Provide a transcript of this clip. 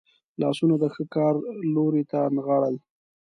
لاسونه د ښه کار لوري ته نغاړل.